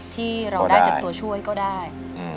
ที่เราได้จากตัวช่วยก็ได้